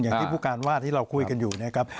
อย่างที่ผู้การว่าที่เราคุยกันอยู่นะครับ